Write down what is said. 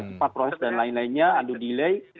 cepat proses dan lain lainnya adu delay